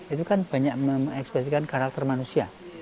itu kan banyak mengekspresikan karakter manusia